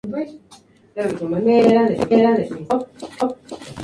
El asistente de campo de Gort murió mientras lo cubría en el combate.